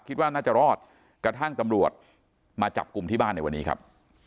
คิดว่าน่าจะรอดกระทั่งตำรวจมาจับกลุ่มที่บ้านในวันนี้ครับ